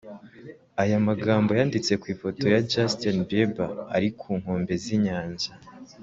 Aya magambo yanditse ku ifoto ya Justin Bieber ari ku nkombe z’inyanja